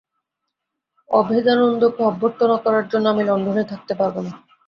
অভেদানন্দকে অভ্যর্থনা করার জন্য আমি লণ্ডনে থাকতে পারব না।